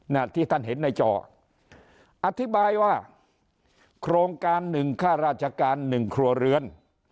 ที่ท่านเห็นในจออธิบายว่าโครงการหนึ่งค่าราชการหนึ่งครัวเรือน